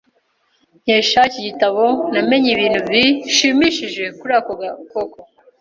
Nkesha iki gitabo, namenye ibintu bishimishije kuri ako gakoko.